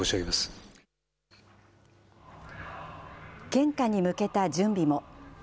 献花に向けた準備も。